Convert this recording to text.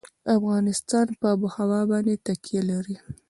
افغانستان په آب وهوا باندې تکیه لري.